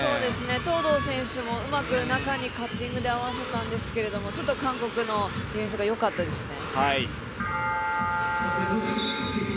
東藤選手もうまく中にカッティングで合わせたんですけどちょっと韓国のディフェンスがよかったですね。